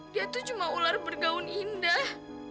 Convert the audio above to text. dia tuh cuma ular bergaun indah